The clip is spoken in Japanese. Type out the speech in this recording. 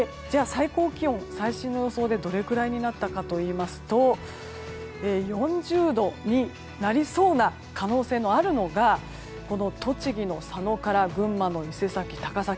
最高気温が最新の予想でどれくらいになったかといいますと４０度になりそうな可能性があるのが栃木の佐野から群馬の伊勢崎、高崎